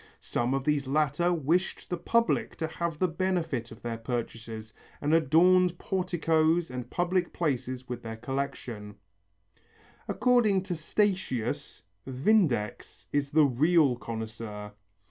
Some of these latter wished the public to have the benefit of their purchases, and adorned porticoes and public places with their collections. According to Statius, Vindex is the real connoisseur.